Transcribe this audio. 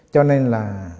cho nên là